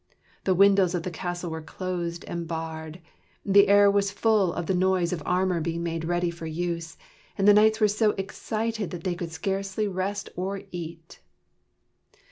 The windows of the castle were closed and barred; the air was full of the noise of armor being made ready for use; and the knights were so excited that they could scarcely rest or eat.